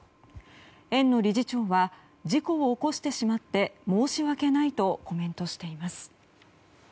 園の理事長は事故を起こしてしまって申し訳ないとコメントしています。